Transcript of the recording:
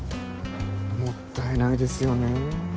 もったいないですよね。